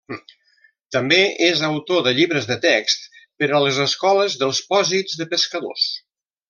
També és autor de llibres de text per a les escoles dels pòsits de pescadors.